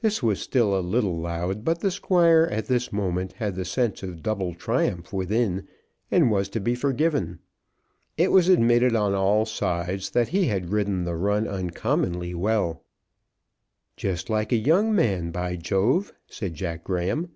This was still a little loud; but the Squire at this moment had the sense of double triumph within, and was to be forgiven. It was admitted on all sides that he had ridden the run uncommonly well. "Just like a young man, by Jove," said Jack Graham.